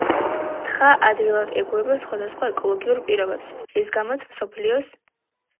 თხა ადვილად ეგუება სხვადასხვა ეკოლოგიურ პირობებს, რის გამოც მსოფლიოს